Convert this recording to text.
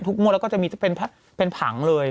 งวดแล้วก็จะมีเป็นผังเลย